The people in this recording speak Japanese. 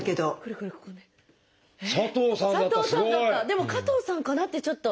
でも「加藤さん」かなってちょっと。